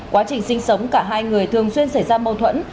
quá trình sinh sống cả hai người thường xuyên xảy ra mâu thuẫn